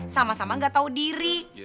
sama sama gak tahu diri